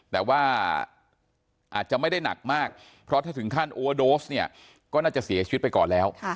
แต่ว่าอาจจะไม่ได้หนักมากเพราะถ้าถึงขั้นอัวโดสเนี่ยก็น่าจะเสียชีวิตไปก่อนแล้ว